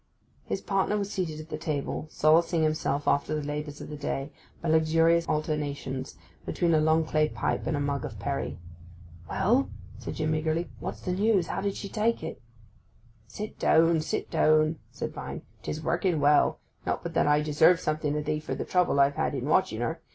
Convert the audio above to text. His partner was seated at the table, solacing himself after the labours of the day by luxurious alternations between a long clay pipe and a mug of perry. 'Well,' said Jim eagerly, 'what's the news—how do she take it?' 'Sit down—sit down,' said Vine. ''Tis working well; not but that I deserve something o' thee for the trouble I've had in watching her.